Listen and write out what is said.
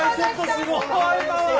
すごいな。